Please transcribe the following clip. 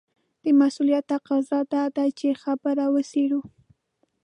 د مسووليت تقاضا دا ده چې خبره وڅېړو.